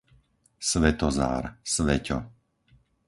Svetozár, Sveťo